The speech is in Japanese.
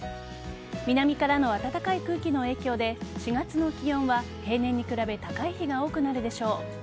南からの暖かい空気の影響で４月の気温は平年に比べ高い日が多くなるでしょう。